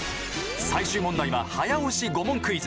最終問題は早押し５問クイズ。